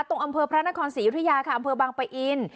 อำเภอพระนครศรียุธยาค่ะอำเภอบางปะอิน